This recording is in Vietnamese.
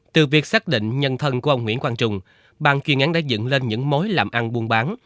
từ việc xác định nhân thân của ông nguyễn quang trung bàn chuyên án đã dựng lên những mối làm ăn buôn bán